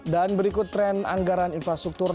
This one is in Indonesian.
dan berikut tren anggaran infrastruktur